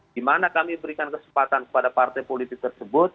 dimana kami berikan kesempatan kepada partai politik tersebut